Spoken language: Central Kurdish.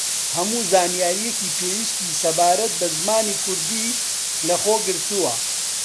هەموو زانیارییەکی پێویستی سەبارەت بە زمانی کوردی لە خۆگرتووە